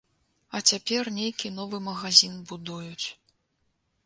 А цяпер нейкі новы магазін будуюць.